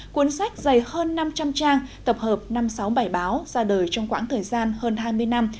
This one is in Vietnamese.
cuốn sách dày hơn năm trăm linh trang tập hợp năm sáu bảy báo ra đời trong khoảng thời gian hơn hai mươi năm